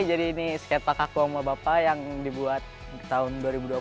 oke jadi ini skatepark aku sama bapak yang dibuat tahun dua ribu dua puluh